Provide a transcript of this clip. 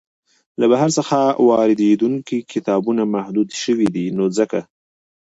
له بهر څخه واریدیدونکي کتابونه محدود شوي دی نو ځکه.